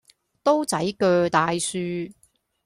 刀仔据大樹